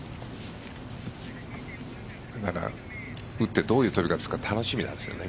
打ってどういう取り方をするか楽しみですね。